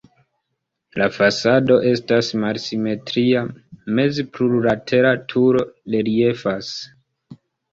La fasado estas malsimetria, meze plurlatera turo reliefas.